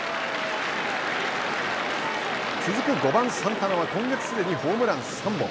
続く５番サンタナは今月すでにホームラン３本。